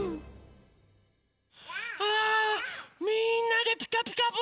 あみんなで「ピカピカブ！」